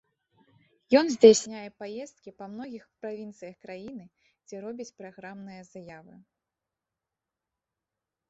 Ён здзяйсняе паездкі па многіх правінцыях краіны, дзе робіць праграмныя заявы.